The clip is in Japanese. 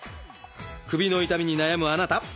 首の痛みに悩むあなた